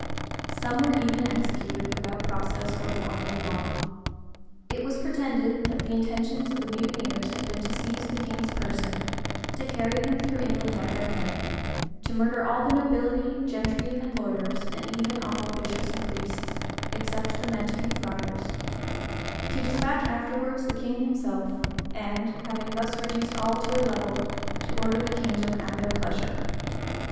Some were even executed without process or form of law.[] It was pretended, that the intentions of the mutineers had been to seize the king's person, to carry him through England at their head; to murder all the nobility, gentry, and lawyers, and even all the bishops and priests, except the mendicant friars; to despatch afterwards the king himself, and, having thus reduced all to a level, to order the kingdom at their pleasure.